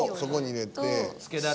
入れて。